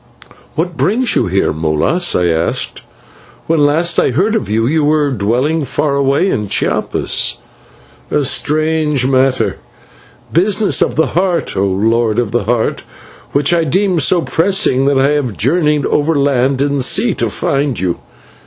"What brings you here, Molas?" I asked; "when last I heard of you, you were dwelling far away in Chiapas." "A strange matter: Business of the Heart, O Lord of the Heart, which I deemed so pressing that I have journeyed over land and sea to find you.